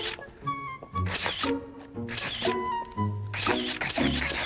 カシャカシャカシャカシャカシャ。